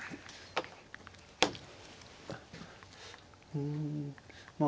うんまあ